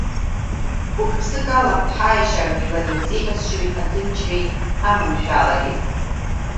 Гәык-ԥсык ала ҳаиашьаратә жәлар ирзеиӷьасшьоит аҭынчреи аманшәалареи!